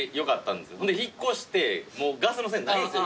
ほんで引っ越してガスの線ないんすよ